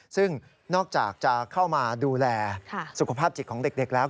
ซึ่งนอกจากจะเข้ามาดูแลสุขภาพจิตของเด็กแล้ว